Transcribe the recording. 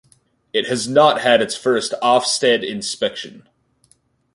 It has not had its first Ofsted inspection.